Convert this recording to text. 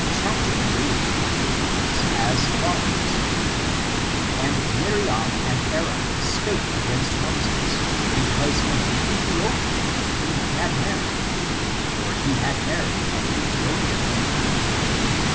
The chapter alluded to, reads as follows :" And Miriam and Aaron spake against Moses, because of the Ethiopian woman whom he had married, for he liad married an Ethiopian woman.